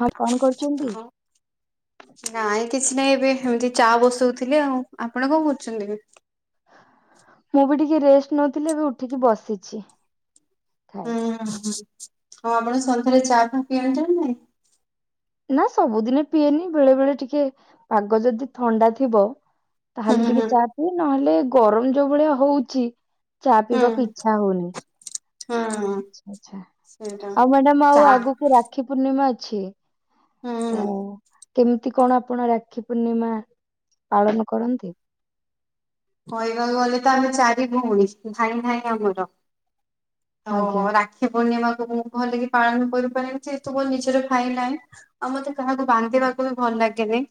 ହଁ କଣ କର [unintelligible] ନାଇଁ କିଛି ନାଇଁ ଏବେ ଏମିତି ଚା ବସଉଥିଲି ଆଉ ଆପଣ କଣ କରୁଛନ୍ତି ଏବେ? ମୁଁ ବି ଟିକେ ରେଷ୍ଟ ନଉଥିଲି ଏବେ ଉଠିକି ବସିଛି। ଓ ହୋ ଆଉ ଆପଣ ସନ୍ଧ୍ୟାରେ ଚା ଫା ପିଆନ୍ତି ନା ନାଇଁ? ନା ସବୁଦିନେ ପିଏନି ବେଳେ ବେଳେ ଟିକେ ପାଗ ଯଦି ଥଣ୍ଡା ଥିବ ହୁଁ ତାହେଲେ ଟିକେ ହୁଁ ଚା ପିଏ ନହେଲେ ଗରମ ଯୋଉ ଭଳିଆ ହଉଛି ଚା ପିଇବାକୁ ହୁଁ ଇଚ୍ଛା ହଉନି। ହୁଁ ଆଚ୍ଛା ଆଚ୍ଛା ସେଇଟା ଆଉ ମ୍ୟାଡ଼ାମ ଚା ଆଉ ଆଗୁକୁ ରା କ୍ଷୀ ପୂର୍ଣ୍ଣିମା ଅଛି। ହୁଁ। [unintelligible] କେମିତି କଣ ଆପଣ ରାକ୍ଷୀ ପୂର୍ଣ୍ଣିମା ପାଳନ କରନ୍ତି? କହିବାକୁ ଗଲେ ତ ଆମେ ଚାରି ଭଉଣୀ ଭାଇ ନାଇଁ ଆମର। ତ ଆଜ୍ଞା ରା କ୍ଷୀପୂର୍ଣ୍ଣିମାକୁ ମୁଁ ଭଲ କି ପାଳନ କରିପାରେନି ଜେହେତୁ ମୋ ନିଜର ଭାଇନାଇଁ। ଆଉ ମତେ କାହାକୁ ବାନ୍ଧିବାକୁ ବି ଭଲ ଲାଗେନି।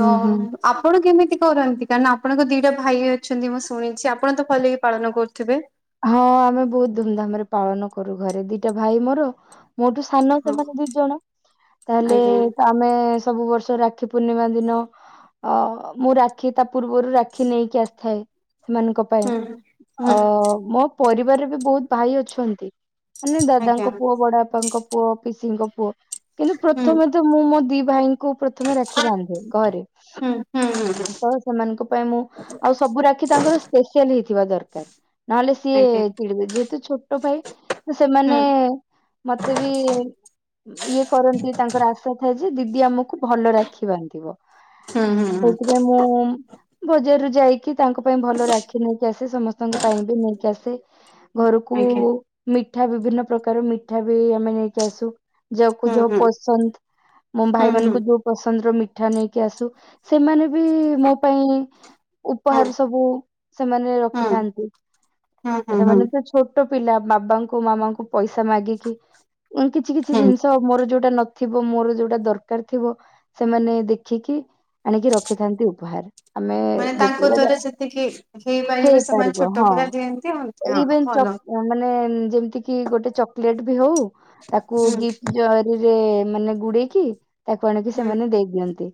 ହୁଁ ହୁଁ ତ୍ ଆପଣ କେମିତି କରନ୍ତି କାଇ ନାଁ ଆପଣଙ୍କ ଦି ଟା ଭାଇ ଅଛନ୍ତି ମୁଁ ଶୁଣିଛି ଆପଣ ତ ଭଲ କି ପାଳନ କରୁଥିବେ। ହଁ ଆମେ ବହୁତ ଧୁମ୍ ଧାମ୍ ରେ ପାଳନ କରୁ ଘରେ ଦିଟା ଭାଇ ମୋର ମୋଠୁ ସାନ ହଁ ସେମାନେ ଦି ଜଣ ତାହେଲେ ଆଜ୍ଞା। ପା ଆମେ ସବୁ ବର୍ଷ ରାକ୍ଷୀ ପୂର୍ଣ୍ଣିମା ଦିନ ଆ ମୁଁ ରାକ୍ଷୀ ତା ପୂର୍ବରୁ ରାକ୍ଷୀ ନେଇକି ଆସିଥାଏ ସେମାନଙ୍କ ପାଇଁ ହୁଁ ହୁଁ ଆ ମୋ ପରିବାରରେ ବି ବହୁତ ଭାଇ ଅଛନ୍ତି। ମାନେ ଆଜ୍ଞା ଦାଦାଙ୍କ ପୁଅ ବଡ଼ ବାପାଙ୍କ ପୁଅ ପିସିଙ୍କ ପୁଅ କିନ୍ତୁ ହୁଁ ପ୍ରଥମେ ତ ମୁଁ ମୋ ଦି ଭାଇଙ୍କୁ ପ୍ରଥମେ ରାକ୍ଷୀ ବାନ୍ଧେ। ଘରେ ହୁଁ ହୁଁ ହୁଁ ହୁଁ ତ ସେମାନଙ୍କ ପାଇଁ ମୁଁ ଆଉ ସବୁ ରାକ୍ଷୀ ତାଙ୍କର ସ୍ପେସିଆଲ ହେଇଥିବା ଦରକାର। ନହେଲେ ସିଏ ଆଜ୍ଞା ଚିଡ଼ିବେ ଯେହେତୁ ଛୋଟ ଭାଇ ତ ହୁଁ ସେମାନେ ମତେ ବି ଇଏ କରନ୍ତି ତାଙ୍କର ଆଶା ଥାଏ ଯେ ଦିଦି ଆମକୁ ଭଲ ରାଖି ବାନ୍ଧିବ। ହୁଁ ହୁଁ। ହୁଁ ସେଇଥିପାଇଁ ମୁଁ ବଜାରରୁୁ ଯାଇକି ତାଙ୍କ ପାଇଁ ଭଲ ରାକ୍ଷୀ ନେଇକି ଆସେ ସମସ୍ତଙ୍କ ପାଇଁ ବି ନେଇକି ଆସେ। ଘରୁକୁ ଆଜ୍ଞା ମିଠା ବିଭିନ୍ନ ପ୍ରକାର ମିଠା ବି ଆମେ ନେଇକି ଆସୁ। ଯାହାକୁ ହୁଁ ଯାହା ହୁଁ ପସନ୍ଦ। ମୋ ହୁଁ ହୁଁ ହୁଁ ଭାଇମାନଙ୍କୁ ହୁଁ ଯୋଉ ପସନ୍ଦର ମିଠା ନେଇକି ଆସେ ସେମାନେ ବି ମୋ ପାଇଁ ଉପହାର ସବୁ ସେମାନେ ହୁଁ ରଖିଥାନ୍ତି। ହୁଁ ହୁଁ ହେମାନେ ତ ଛୋଟ ପିଲା ବାବାଙ୍କୁ ମାମାଙ୍କୁ ପଇସା ମାଗିକି ଉଁ -କିଛି କିଛି ହୁଁ ଜିନିଷ ମୋର ଯଉଟା ନ ଥିବ ମୋର ଯଉଟା ଦରକାର୍ ଥିବ ସେମାନେ ଦେଖିକି ଆଣିକି ରଖିଥାନ୍ତି ଉପହାର୍। ଆମେ ମାନେ ତାଙ୍କ ଯେତେବେଳେ ଦ୍ଵାରା ଯେତିକି ହେଇପାରିବେ ସେମାନେ ହେଇପାରିବ ଛୋଟ -ହଁ। ପିଲା ଯେମିତି ହୁଅନ୍ତି ହଁ ଏଇବେନ୍ ଭଲ ଚକ୍- ମାନେ ଯେମିତି କି ଗୋଟେ ଚକଲେଟ୍ ବି ହଉ ତାକୁ ହୁଁ ଗିଫ୍ଟ୍ ଜରି ଜରିରେ ମାନେ ଗୁଡେଇକି ତାକୁ ଆଣିକି ହୁଁ ସେମାନେ ଦେଇ ଦିଅନ୍ତି।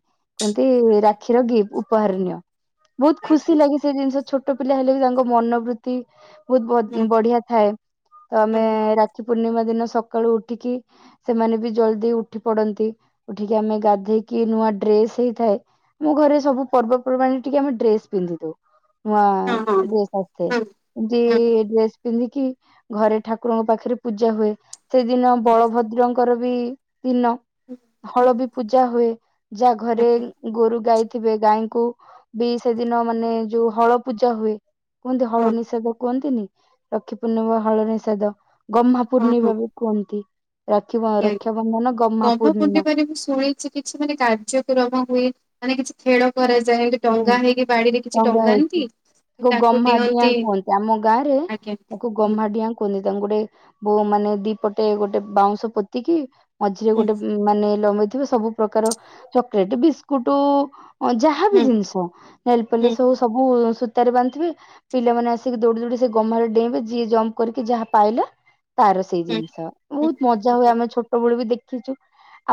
ଏଇ ରାକ୍ଷୀର ଗିଫ୍ଟ ଉପହାର ନିଅ ବହୁତ୍ ଖୁସି ଆଜ୍ଞା ଲାଗେ ସେ ଜିନିଷ ଛୋଟ ଛୋଟ ପିଲା ହେଲେ ବି ତାଙ୍କ ମନୋବୃତ୍ତି ବହୁତ୍ ହୁଁ ବ-ବଢିଆ ଥାଏ ତ ଆମେ ହୁଁ ରା ରାକ୍ଷୀ ପୂର୍ଣ୍ଣିମା ଦିନ ସକାଳୁ ଉଠିକି ସେମାନେ ବି ଜଲ୍ଦି ଉଠି ପଡନ୍ତି ଉଠିକି ଆମେ ଗାଧେଇକି ନୂଆ ଡ୍ରେସ୍ ହେଇ ଥାଏ ମୁଁ ଘରେ ସବୁ ପର୍ବପର୍ବାଣିରେ ଟିକେ ଆମେ ଡ୍ରେସ୍ ପିନ୍ଧି ଦଉ ନୂଆ ହଁ ଡ୍ରେସ୍ ଆ ସେ ହଁ ହୁଁ ଯି-ଡ୍ରେସ୍ ପିନ୍ଧିକି ଘରେ ଠାକୁରଙ୍କ ପାଖେରେ ପୂଜା ହୁଏ। ସେଦିନ ହୁଁ ବଳଭଦ୍ରଙ୍କର ବି ଦିନ ହୁଁ ହଳ ବି ପୂଜା ହୁଏ। ଯା ଘରେ ଆଜ୍ଞା ଗୋରୁ ଗାଈ ଥିବେ ଗାଈଙ୍କୁ ବି ସେଦିନ ମାନେ ଯଉ ହଳ ପୂଜା ହୁଏ। କୁହନ୍ତି ହଳ ହଁ ନିଷେଧ କୁହନ୍ତିନି ରାକ୍ଷୀ ପୂର୍ଣ୍ଣିମା ହଳ ନିଷେଧ ଗହ୍ମା ହଁ ହଁ ଆଜ୍ଞା ପୂର୍ଣ୍ଣିମା ବି କୁହନ୍ତି ରାକ୍ଷୀ ବା-ରକ୍ଷାବନ୍ଧନ ଗହ୍ମା ପୂର୍ଣ୍ଣିମା। [unintelligible] କିଛି କିଛି ମାନେ କାର୍ଯ୍ୟକ୍ରମ ହୁଏ ମାନେ କିଛି ଖେଳ କରାଯାଏ। ହୁଁ ଟଙ୍ଗା ହେଇକି ବାଡିରେ କିଛି ଟଙ୍ଗା ହେଇଛି ଟଙ୍ଗାନ୍ତି। ତାକୁ ଗହ୍ମା ଡିଆଁ କୁହନ୍ତି ଆମ ଗାଁ ରେ ଆଜ୍ଞା। ତାକୁ ହୁଁ ଗହ୍ମା ଡିଆଁ କୁହନ୍ତି ତାଙ୍କୁ ଗୋଟେ ବଉ ମାନେ ଦିପଟେ ଗୋଟେ ବାଉଁଶ ପୋତିକି ମଝିରେ ଗୋଟେ ମାନେ ଲମ୍ବି ଥିବ ସବୁ ପ୍ରକାର ଚକଲେଟ୍ ବିସ୍କୁଟୁ ଯାହା ବି ହୁଁ ଜିନିଷ ହୁଁ ନେଲପଲିସ୍ ହଉ ସବୁ ସୁ ତାରେ ବାନ୍ଧି ଥିବେ ପିଲାମାନେ ଆସିକି ଦୌଡି ଦୌଡି ସେ ଗହ୍ମା ରେ ଡେଇଁବେ ଯିଏ ଜମ୍ପ୍ କରିକି ଯାହା ପାଇଲେ ତାର ସେଇ ହୁଁ ଜିନିଷ ହୁଁ ହୁଁ ବହୁତ୍ ମଜା ହୁଏ ହୁଁ ଆମେ ଛୋଟ ବେଳୁ ବି ଦେଖିଚୁ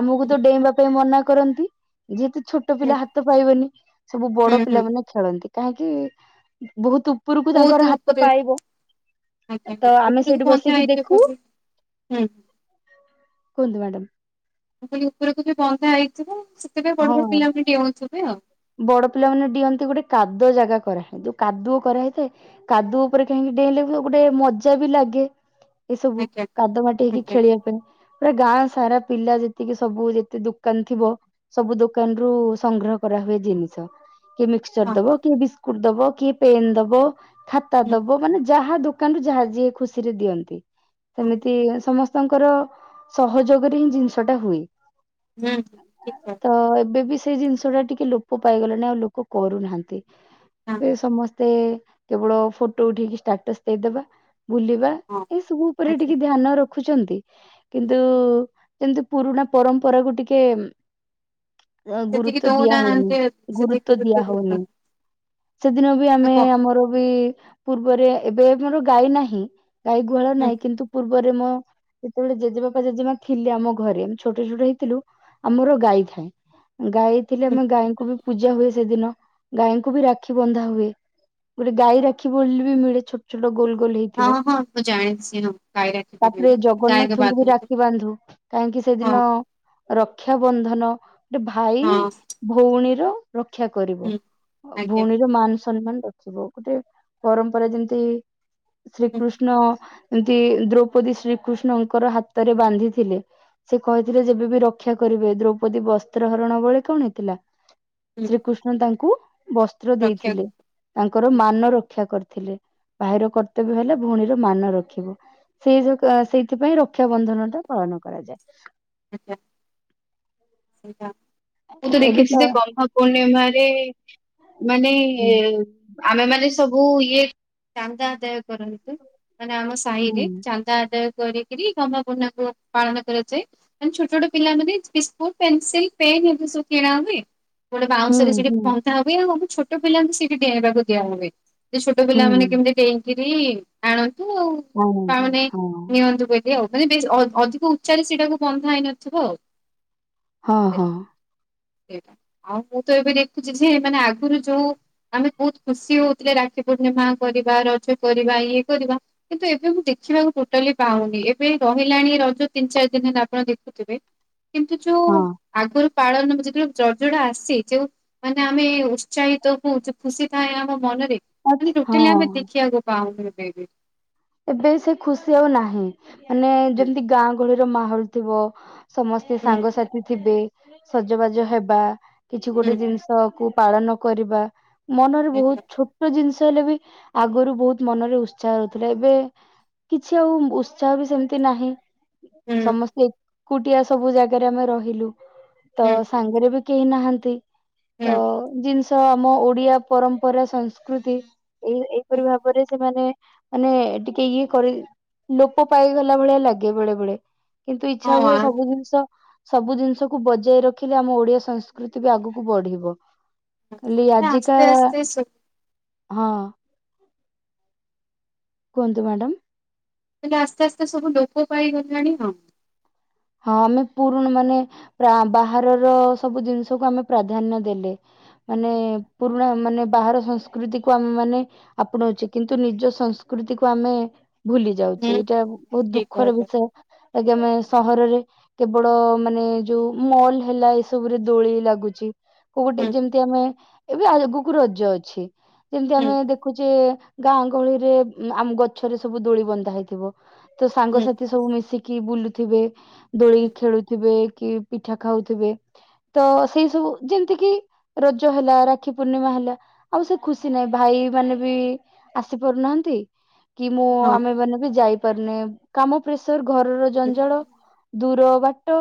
ଆମକୁ ହୁଁ ତ ଡେଇଁବା ପାଇଁ ମନା କରନ୍ତି ଯେହେତୁ ଛୋଟ ହୁଁ ପିଲା ହାତ ପାଇବନି ସବୁ ବଡ ହୁଁ ହୁଁ ପିଲାମାନେ ଖେଳନ୍ତି କାହିଁକି ବହୁତୁ ଉପରୁକୁ ବହୁତ ତାଙ୍କର ହାତ ଉପରେ ପାଇବ। ଆଜ୍ଞା ହଁ ତ ଆମେ ଉପରକୁ ସେଇଠି ବନ୍ଧା ବସିକି ହେଇଥିବ ଦେଖୁ। ହୁଁ ହୁଁ। କୁହନ୍ତୁ ମ୍ୟାଡାମ୍। ଆଉ ଖାଲି ଉପରକୁ ଯଉ ବନ୍ଧା ହେଇଥିବ ସେଥିପାଇଁ ହଁ ବଡ ବଡ ପିଲା ଭି ଡିଅଁଉଥିବେ ଆଉ। ବଡ ପିଲା ମାନେ ଡିଅନ୍ତି ଗୋଟେ କାଦୁଅ ଜାଗା କରା ହୁଏ ଯଉ କାଦୁଅ କରାହେଇଥାଏ କାଦୁଅ ଉପରେ କାହିଁକି ଡେଇଁଲେ ବି ଗୋଟେ ମଜା ବି ଲାଗେ। ଏସବୁ ଆଜ୍ଞା। କାଦୁଅ ମାଟି ହେଇକି ଆଜ୍ଞା ଖେଳିବା ପାଇଁ। ପୁରା ଗାଁ ସାରା ପିଲା ଯେତିକି ସବୁ ଯେତେ ଦୋକାନ୍ ଥିବ ସବୁ ଦୋକାନ୍ ରୁ ସଂଗ୍ରହ କରା ହୁଏ। ଜିନିଷ କିଏ ମିକ୍ସଚର୍ ହଁ ଦବ କିଏ ବିସ୍କୁଟ୍ ଦବ କିଏ ପେନ୍ ଦବ। ଖାତା ହୁଁ ଦବ ମାନେ ଯାହା ଦୋକାନରୁ ଯାହା ଯିଏ ଖୁସିରେ ଦିଅନ୍ତି ହଁ ସେମିତି ସମସ୍ ତଙ୍କର ସହଯୋଗରେ ହିଁ ଜିନିଷ ଟା ହୁଏ। ହୁଁ ଠିକ୍ ଠାକ୍। ତ ଏବେ ବି ସେଇ ଜିନିଷ ଟା ଟିକେ ଲୋପ ପାଇଗଲାଣି ଆଉ ଲୋକ କରୁନାହାନ୍ତି ହଁ ଏବେ ସମସ୍ ତେ କେବଳ ଫଟୋ ଉଠେଇକି ଷ୍ଟାଟସ୍ ଦେଇଦବା ବୁଲିବା ହଁ ଏଇସବୁ ଉପରେ ଆଜ୍ଞା। ଟିକେ ଧ୍ୟାନ ରଖୁଚନ୍ତି ହୁଁ। କିନ୍ତୁ ଯେମତି ପୁରୁଣା ପରମ୍ପରାକୁୁ ଟିକେ ସେତିକି ଆ-ଗୁରୁତ୍ୱ ଦିଆ ହଉନି। ଦଉନାହାନ୍ତି ସେତିକି ଗୁରୁତ୍ୱ ଦିଆହଉନି। ଦଉନାହାନ୍ତି ସେଦିନ ବି ଆଉ ଆମେ କଣ ଆମର ବି ପୂର୍ବରେ ଏବେ ଆମର ଗାଈ ନାହିଁ। ଗାଈ ଗୁହାଳ ହୁଁ ନାହିଁ କିନ୍ତୁ ପୂର୍ବ୍ ପରେ ମ ଯେତେବେଳେ ଜେଜେବାପା ଜେଜେମା ଥିଲେ ଆମ ଘରେ ଆମେ ଛୋଟ ଛୋଟ ହେଇଥିଲୁ ଆମର ଗାଈ ଥାଏ ଗାଈ ଥିଲେ ହୁଁ ଆମେ ଗାଈଙ୍କୁ ବି ପୂଜା ହୁଏ ସେଦିନ ଗାଈଙ୍କୁ ବି ରାକ୍ଷୀ ବନ୍ଧା ହୁଏ। ଗୋଟେ ଗାଈ ରାକ୍ଷୀ ବୋଲି [unintelligible] ବି ମିଳେ ଛୋଟ ଛୋଟ ଗୋଲ ଗୋଲ ହଁ ହେଇଥିବ, ହଁ ମୁଁ ଜାଣିଛି ହଁ ଗାଈ ରଖିବେ ତାପରେ ବୋଲି ଗାଈକୁ ଜଗନ୍ନାଥଙ୍କୁ ବି ବାନ୍ଧନ୍ତି। ରାକ୍ଷୀ ବାନ୍ଧୁ। କାହିଁକି ହଁ ସେଦିନ ରକ୍ଷାାବନ୍ଧନ ଗୋଟେ ଭାଇ ହଁ ଭଉଣୀର ରକ୍ଷା କରିବ, ହୁଁ ଆଜ୍ଞା ଭଉଣୀର ମାନ ସମ୍ମାନ ରକ୍ଷା ଯିବ ଗୋଟେ ପରମ୍ପରା ଯେମିତି ହୁଁ ଶ୍ରୀକୃଷ୍ଣ ଯେମିତି ଦ୍ରୌପତୀ ଶ୍ରୀକୃଷ୍ଣଙ୍କର ହାତରେ ବାନ୍ଧିଥିଲେ। ସେ କହିଥିଲେ ଯେବେ ବିି ରକ୍ଷା କରିବେ ଦ୍ରୌପଦୀ ବସ୍ତ୍ରହରଣ ବଳେ କଣ ହେଇଥିଲା। ହୁଁ ଶ୍ରୀକୃଷ୍ଣ ତାଙ୍କୁ ବସ୍ତ୍ର ରଖିବାକୁ ଦେଇଥିଲେ। ତାଙ୍କର ମାନ ରକ୍ଷା କରିଥିଲେ ଭାଇର କର୍ତ୍ତବ୍ୟ ହେଲେ ଭଉଣୀର ମାନ ରଖିବା। ସେଇ ସେଇଥିପାଇଁ ରକ୍ଷାାବନ୍ଧନ ଟା ପାଳନ କରାଯାଏ। ଆଚ୍ଛା। ସେଇଟା ମୁଁ ତ ଦେଖିଛି ଯେ ଗମହାପୂର୍ଣ୍ଣିମାରେ ମାନେ ହୁଁ ଆମେ ମାନେ ସବୁ ଇଏ ଚାନ୍ଦା ଆଦାୟ କରନ୍ତି ମାନେ ଆମ ହୁଁ ସାହିରେ ଚାନ୍ଦା ଚାନ୍ଦା ଆଦାୟ କରିକି ଗହ୍ମାପୂର୍ଣ୍ଣିମାକୁ ପାଳନ କରାଯାଏ ମାନେ ଛୋଟ ଛୋଟ ପିଲା ମାନେ ମିଶି ଆଉ ପେନସିଲ ପେନ୍ ଏମିତି ସବୁ କିଣା ହୁଏ ଗୋଟେ ହୁଁ ବାଉଁଶରେ ସେଠି ହୁଁ ତାପରେ ସବୁ ଛୋଟ ପିଲାଙ୍କୁ ସେଇଠି ଡିଆଁଇବାକୁ ଦିଆ ହୁଏ ଯେ ଛୋଟ ପିଲା ମାନ ହୁଁ କେମିତି ଡେଇଁ ଠିକ୍ କରି ଆଣନ୍ତୁ ଆଉ ଆନନ୍ଦ। ତାମାନେ ହଁ ନିଅନ୍ତୁ ଦେ ଏଇ ଆଉ ମାନେ ବେଶ ଅଧ୍ ଅଧିକ ଉଚ୍ଚାରେ ସେଇଟାକୁ ବନ୍ଧାହେଇନଥିବ ଆଉ। ହଁ ହଁ। ଓକେ, ଆଉ ମୁଁ ତ ଏବେ ଦେଖୁଛି ଯେ ମାନେ ଆଗରୁ ଯୋଉ ଆମେ ବହୁତ ଖୁସି ହଉଥିଲେ ରାକ୍ଷୀ ପୂର୍ଣ୍ଣିମା କରିବା, ରଜ କରିବା, ଇଏ କରିବା। କିନ୍ତୁ ଏବେ ମୁଁ ଦେଖିବାକୁ ଟୋଟାଲି ପାଉନି ଏବେ ରହିଲାଣି ରଜ ତିନି ଚାରି ଦିନ ହେଲା ଆପଣ ଦେଖୁଥିବେ। କି ଯୋଉ ହଁ ଆଗରୁ ପାଳନ ଯେତେବେଳେ ଦଜୋଡା ଆସି ଯଉ ମାନେ ଆମେ ଉତ୍ସାହିତ ହଉ ଯଉ ଖୁସି ଥାଏ ଆମ ମନରେ ଆଛ୍ ମାନେ ହଁ ଟୋଟାଲି ଆମେ ଦେଖିବାକୁ ପାଉଁନ ସେଇଠି ଏବେ ସେ ଖୁସି ଆଉ ନାହିଁ ମାନେ ହୁଁ ଯେମିତି ଗାଁ ଗହଳିର ମାହୋଲ ଥିବ। ସମସ୍ତେ ସାଙ୍ଗସାଥି ଥିବେ ସଜବାଜ ହେବା କିଛି ହୁଁ ଗୋଟେ ଜିନିଷକୁ ପାଳନ କରିବା ମନରେ ହୁଁ ବହୁତ ଛୋ ଛୋଟ ଜିନିଷ ହେଲେ ବି ଆଗରୁ ବହୁତ ମନରେ ଉତ୍ସାହ ରହୁଥିଲା। ଏବେ କିଛି ଆଉ ଉତ୍ସାହ ବି ସେମିତି ନାହିଁ ହୁଁ ସମସ୍ତେ ଏକୁଟିଆ ସବୁ ଜାଗାରେ ଆମେ ରହିଲୁ ତ ହୁଁ ସାଙ୍ଗରେ ବି କେହି ନାହାନ୍ତି। ହୁଁ ତ ଜିନିଷ ଆମ ଓଡିଆ, ପରମ୍ପରା, ସଂସ୍କୃତି ଏଇ ହୁଁ। ଏହିପରି ଭାବରେ ସେମାନେ ମାନେ ଟିକେ ଇଏ କରି ଲୋପ ପାଇଗଲା ଭଳିଆ ଲାଗେ ବେଳେ ବେଳେ। କିନ୍ତୁ ଇଚ୍ଛା ହଁ ହୁଏ ସବୁ ଜିନିଷ ସବୁ ଜିନିଷକୁ ବଜାଇ ରଖିଲେ ଆମ ଓଡିଆ ସଂସ୍କୃତି ବି ଆଗକୁ ବଢିବ। କାଲି ଆଜିକା, ଆସ୍ତେ ଆସ୍ତେ ହଁ କୁହନ୍ତୁ ମ୍ୟାଡ଼ାମ୍। ହେଲେ ଆସ୍ତେ ଆସ୍ତେ ସବୁ ଲୋକ ପାଇଗଲାଣି, ହଁ। ହଁ ଆମେ ପୁରୁଣ ମାନେ ପ୍ରା ବାହାରର ସବୁ ଜିନିଷକୁ ଆମେ ପ୍ରାଧାନ୍ୟ ଦେଲେ। ମାନେ ପୁରୁଣା ମାନେ ବାହାର ସଂସ୍କୃତିକୁ ଆମେମାନେ ଆପଣଉଛେ କିନ୍ତୁ ନିଜ ସଂସ୍କୃତିକୁୁ ଆମେ ଭୁଲିଯାଉଛେ ହୁଁ ଏଇଟା ବହୁତ ଠିକ୍ ଦୁଃଖର କହିଲେ ବିଷୟ ଆଜି ଆମେ। ସହରରେ କେବଳ ମାନେ, ଯୋଉ ମଲ ହେଲା, ଏସବୁରେ ଦୋଳି ଲାଗୁଛି। କଉଟି ହୁଁ ଯେମିତି ଆମେ, ଏବେ ଆଗକୁ ରଜ ଅଛି। ଯେମିତି ହୁଁ ଆମେ ଦେଖୁଚେ, ଗାଁ ଗହଳିରେ ଆମ୍ ଗଛରେ ସବୁ ଦୋଳି ବନ୍ଧା ହେଇଥିବ। ତ, ହୁଁ ସାଙ୍ଗସାଥି ସବୁ ମିଶିକି ବୁଲି ଥିବେ, ଦୋଳି ହୁଁ ଖେଳୁଥିବେ, କି ପିଠା ଖାଉଥିବେ ତ ସେଇ ସବୁ ଯେମିତି କିି, ରଜ ହେଲା, ରାକ୍ଷୀ ପୂର୍ଣ୍ଣିମା ହେଲା। ଆଉ ସେ ଖୁସି ନାହିଁ, ଭାଇ ମାନେ ବି ଆସି ପାରୁନାହାନ୍ତି। କି ମୁଁ, ହଁ ଆମେ ମାନେ ବି ଯାଇପାରୁନେ କାମ ପ୍ରେସର ଘରର ହୁଁ ଜାଣ, ଦୂର ବାଟ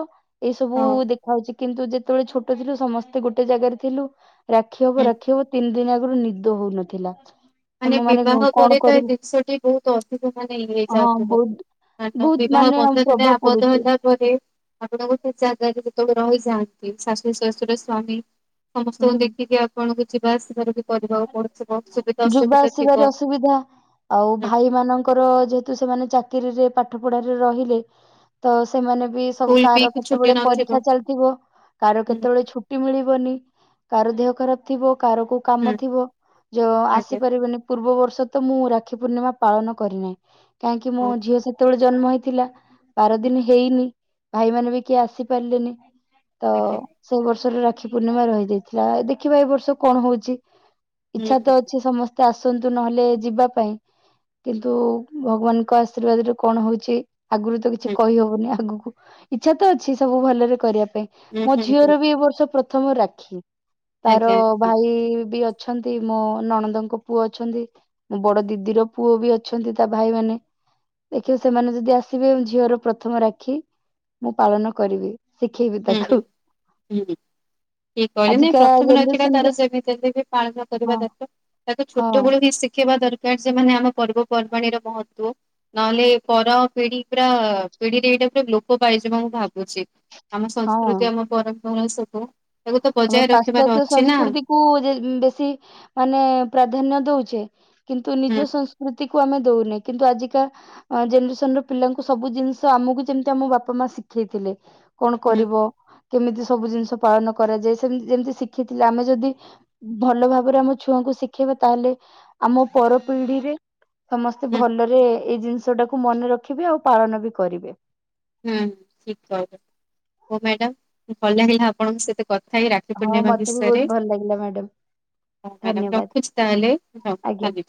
ଏ ସବୁ ହଁ ଦେଖା ଯାଉଚି। କିନ୍ତୁ, ଯେତେବେଳେ ଛୋଟ ଥିଲୁ, ସମସ୍ତେ ଗୋଟେ ଜାଗାରେ ଥିଲୁ। ରାକ୍ଷୀ ହବ, ହୁଁ ରାକ୍ଷୀ ହବ ତିନି ଦିନ ଆଗରୁ ନିଦ ହଉନଥିଲା। ମାନେ ଆମ ବିବାହ ପରେ, କଣ ତ ଏ କରିବୁ ଜିନିଷଟି ବହୁତ ଅଧିକ ମାନେ ଇଏ ହଁ ଯାଉଥିବ। ବହୁତ [unintelligible] ତ ବହୁତ ବିବାହ ମାନେ ବନ୍ଧନ ରେ ପ୍ରଭାବ ଆବଦ୍ଧ ପଡୁଛି ହେଲା ପରେ ଆପଣ ଗୋଟେ ଜାଗାରେ ଯେତେବେଳେ ରହିଯାଆନ୍ତି ଶାଶୁ, ଶଶୁର, ସ୍ଵାମୀ ସମସ୍ତଙ୍କୁ ହୁଁ ଦେଖିକି ଆପଣଙ୍କୁ ଯିବା ଆସିବାର ବି କରିବାକୁ ପଡୁଥିବ। ସୁବିଧା ଯିବା ଅସୁବିଧା ଥିବ। ଆସିବାରେ ଅସୁବିଧା। ଆଉ, ହୁଁ ଭାଇ ମାନଙ୍କର ଯେହେତୁ ସେମାନେ ଚାକିରିରେ, ପାଠ ପଢାରେ ରହିଲେ। ତ ସେମାନେ ବି, ସବୁ ସ୍କୁଲ ବି କାହାର ଛୁଟି କେତେବେଳେ ନଥିବ ପରୀକ୍ଷା ଚାଲିଥିବ, କାହାର ହୁଁ କେତେବେଳେ ଛୁ ଟି ମିଳିବନି, କାର ଦେହ ଖରାପ ଥିବ, କାହାର କୋଉ କାମ ହୁଁ ଥିବ, ଯୋ ଆଜ୍ଞା ଆସିପାରିବେନି। ପୂର୍ବ ବର୍ଷ ତ, ମୁଁ ରାକ୍ଷୀ ପୂର୍ଣ୍ଣିମା ପାଳନ କରିନାହିଁ। କାହିଁକି ମୋ ହଁ। ଝିଅ ସେତେବେଳେ ଜନ୍ମ ହେଇଥିଲା। ବାର ହୁଁ ଦିନ ହେଇନି, ଭାଇ ମାନ ବି କିଏ ଆସିପାରିଲେନି। ତ ଆଜ୍ଞା ସେଇ ବର୍ଷର ରାକ୍ଷୀ ପୂର୍ଣ୍ଣିମା ରହି ଯାଇଥିଲା। ଦେଖିବା, ଏ ବର୍ଷ କଣ ହଉଚି? ହୁଁ ହୁଁ ଇଛାତ ଅଛି, ସମସ୍ତେ ଆସନ୍ତୁ ନହେଲେ ଯିବା ପାଇଁ। କିନ୍ତୁ, ଭଗବାନଙ୍କ ଆଶୀର୍ବାଦରୁ କଣ ହଉଚି ଆଗରୁ ତ କିଛି ହୁଁ କହିହବନି ଆଗକୁ, ଇଚ୍ଛା ତ ଅଛି ସବୁ ଭଲରେ କରିବା ପାଇଁ। ହୁଁ ମୋ ହୁଁ ହୁଁ ଝିଅର ବି ଏ ବର୍ଷ ପ୍ରଥମ ରାକ୍ଷୀ। ତାର ଆଜ୍ଞା ଆଜ୍ଞା ହୁଁ ଭାଇ ବି ଅଛନ୍ତି ମୋ ନଣନ୍ଦଙ୍କ ପୁଅ ଅଛନ୍ତି, ମୋ ବଡ ଦିଦିର ପୁଅ ବି ଅଛନ୍ତି ତା ଭାଇମାନେ। ଦେଖିବି ସେମାନେ ଯଦି ଆସିବେ ଝିଅର ପ୍ରଥମ ରାକ୍ଷୀ, ମୁଁ ପାଳନ କରିବି। ଶିଖେଇବି ତାକୁ। କି କଇନି ଆଜିକା ପ୍ରଥମ ରାକ୍ଷୀଟା ତାର ଜେନେରେସନର ସେମିତି [unintelligible] ପାଳନ କରିବା ହଁ ଦରକାର, ତାକୁ ହଁ ଛୋଟ ବେଳୁବି ଶିଖେଇବା ଦ କାରଣ ସେମାନେ ଆମ ପର୍ବପର୍ବାଣୀର ମହତ୍ଵ ନହେଲେ ପର ପିଢି ପୁରା ପିଢିରେ ଏଇଟା ପୁରା ଲୋପ ପାଇଯିବ। ମୁଁ ଭାବୁଚି। ଆମ ହଁ ସଂସ୍କୃତି ଆମ ପରମ୍ପରା ସବୁ ତାକୁ ତ ଆମ ବଜାୟ ରଖିବାର ପାଶ୍ଚାତ୍ୟ ଅଛି ନା ସଂସ୍କୃତି କୁ ଯେ ବେଶୀ ମାନେ ପ୍ରାଧାନ୍ୟ ଦଉଛେ, କିନ୍ତୁ ହୁଁ ନିଜ ସଂସ୍କୃତିକୁ କୁ ଆମେ ଦଉନେ କିନ୍ତୁ ଆଜିକା ଜେନେରେସନର ପିଲାଙ୍କୁ ସବୁ ଜିନିଷ, ଆମକୁ ଯେମତି ଆମ ବାପାମା ଶିଖେଇଥିଲେ। କଣ ହୁଁ କରିବ, କେମିତି ସବୁ ଜିନିଷ ପାଳନ କରାଯାଏ ସେମତି ଯେମିତି ଶିଖିଥିଲେ। ଆମେ ଯଦି ଭଲ ଭାବରେ ଆମ ଛୁଆଙ୍କୁ ଶିଖେଇବା, ତାହେଲେ ଆମ ପରପିଢିରେ ସମସ୍ତେ ହୁଁ ଭଲରେ ଏଇ ଜିନିଷଟାକୁ ମନେ ରଖିବେ ଆଉ ପାଳନ ବି କରିବେ। ହୁଁ ଠିକ୍ କହିଲ, ହଁ ମ୍ୟାଡାାମ ଭଲ ଲାଗିଲା ଆପଣଙ୍କ ସହିତ କଥା ହେଇକି ହଁ ରାଖିପୂର୍ଣୀମା ମତେ ବି ବହୁତ ବିଷୟରେ। ଭଲ ଲାଗିଲା ମ୍ୟାଡାମ ହଉ ମ୍ୟାଡ଼ାମ ଧନ୍ୟବାଦ ରଖୁଚି ତାହେଲେ, ହଉ ଆଜ୍ଞା ଧନ୍ୟବାଦ।